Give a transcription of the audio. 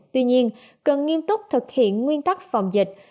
tuy nhiên cần nghiêm túc thực hiện nguyên tắc phòng dịch